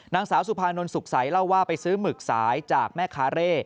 นางสาวสุภานนทสุขใสเล่าว่าไปซื้อหมึกสายจากแม่ค้าเร่